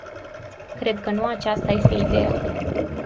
Cred că nu aceasta este ideea.